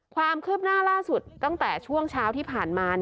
ความคืบหน้าล่าสุดตั้งแต่ช่วงเช้าที่ผ่านมา